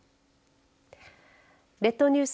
列島ニュース